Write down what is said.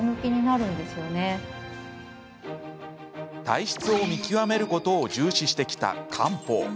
体質を見極めることを重視してきた漢方。